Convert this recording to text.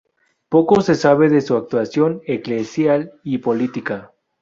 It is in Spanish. Poco se sabe de su actuación eclesial y política.